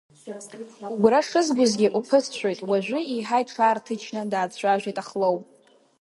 Угәра шызгогьы, уԥысшәоит, уажәы еиҳа иҽаарҭынчны даацәажәеит Ахлоу.